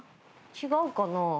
違うかな？